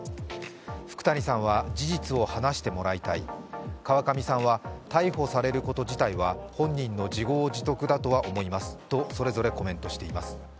福谷さんは事実を話してもらいたい、川上さんは、逮捕されること自体は本人の自業自得だとは思いますと、それぞれコメントしています。